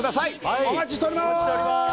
お待ちしております